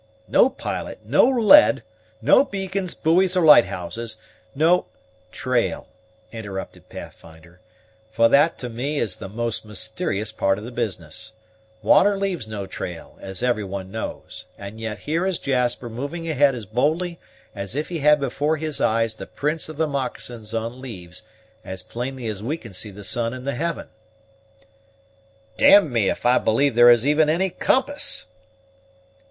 "No pilot, no lead, no beacons, buoys, or lighthouses, no " "Trail," interrupted Pathfinder; "for that to me is the most mysterious part of the business. Water leaves no trail, as every one knows; and yet here is Jasper moving ahead as boldly as if he had before his eyes the prints of the moccasins on leaves as plainly as we can see the sun in the heaven." "D me, if I believe there is even any compass!"